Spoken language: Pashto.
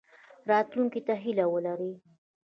راتلونکي ته هیله ولرئ